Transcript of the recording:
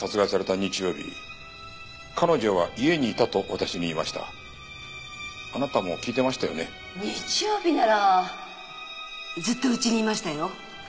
日曜日ならずっと家にいましたよ。